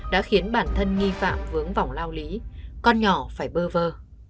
đã khiến bản thân nghi phạm vướng vòng lao lý con nhỏ phải bơ vơ